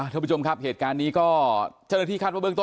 ท่านผู้ชมครับเหตุการณ์นี้ก็เจ้าหน้าที่คาดว่าเบื้องต